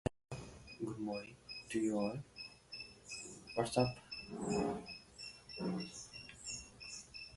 His daughter is a web developer.